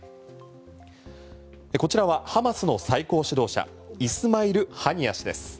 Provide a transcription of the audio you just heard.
こちらはハマスの最高指導者イスマイル・ハニヤ氏です。